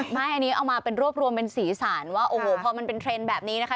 ไม่อันนี้เอามาเป็นรวบรวมเป็นสีสันว่าโอ้โหพอมันเป็นเทรนด์แบบนี้นะคะ